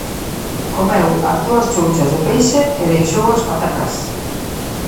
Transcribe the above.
Comeu as dúas chouchas de peixe e deixou as patacas.